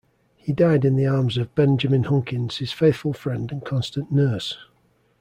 He died in the arms of Benjamin Hunkins, his faithful friend and constant nurse.